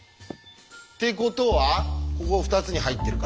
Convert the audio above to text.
ってことはここ２つに入ってるから。